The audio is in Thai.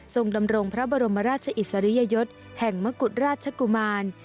ดำรงพระบรมราชอิสริยยศแห่งมกุฎราชกุมาร